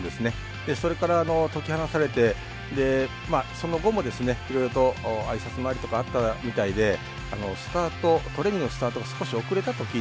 それから解き放たれてでその後もですねいろいろと挨拶回りとかあったみたいでスタートトレーニングのスタートが少し遅れたと聞いております。